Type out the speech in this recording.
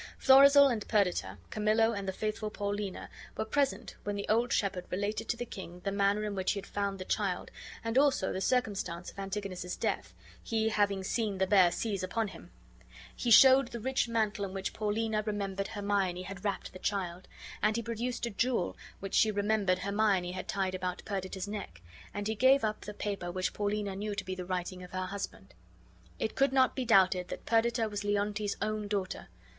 Florizel and Perdita, Camillo and the faithful Paulina, were present when the old shepherd related to the king the manner in which he had found the child, and also the circumstance of Antigonus's death, he having seen the bear seize upon him. He showed the rich mantle in which Paulina remembered Hermione had wrapped the child; and he produced a jewel which she remembered Hermione had tied about Perdita's neck; and he gave up the paper which Paulina knew to be the writing of her husband. It could not be doubted that Perdita was Leontes's own daughter.